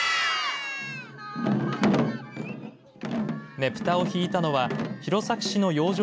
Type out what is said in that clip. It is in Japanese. ねぷたを引いたのは弘前市の養生